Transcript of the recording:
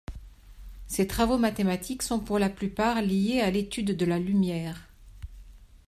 Ses travaux mathématiques sont pour la plupart liés à l’étude de la lumière.